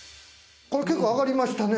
これ結構上がりましたね